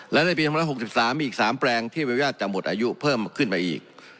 และในปี๑๙๖๓มีอีก๓แปลงที่มือแยธจำหมดอายุเพิ่มมาขึ้นมาอีก